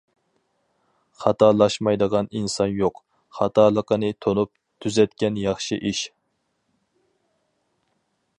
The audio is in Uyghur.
خاتالاشمايدىغان ئىنسان يوق، خاتالىقىنى تونۇپ، تۈزەتكەن ياخشى ئىش.